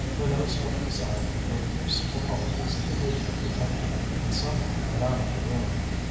Minot swept aside the profuse apologies of the hotel detective, and somehow got out of the room.